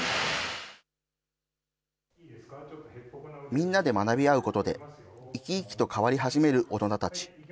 みんなで学び合うことで、生き生きと変わり始める大人たち。